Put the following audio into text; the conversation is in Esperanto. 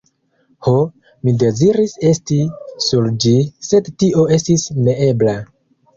Ho! mi deziris esti sur ĝi, sed tio estis neebla.